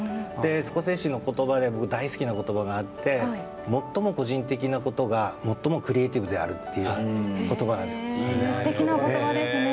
スコセッシの言葉で大好きなのはもっとも個人的なことが最もクリエーティブであるという素敵なお言葉ですね。